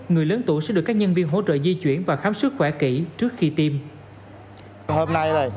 người lớn tuổi sẽ được các nhân viên hỗ trợ di chuyển và khám sức khỏe kỹ trước khi tiêm